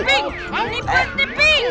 ini bus dibing